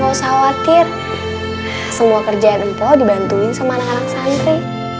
khusus khawatir semua kerjaan mpo dibantuin semangat santri